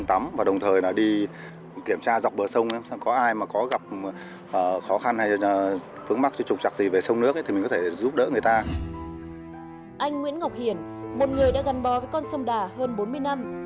anh nguyễn ngọc hiển một người đã gắn bó với con sông đà hơn bốn mươi năm